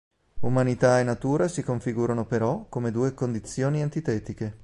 Umanità e natura si configurano però come due condizioni antitetiche.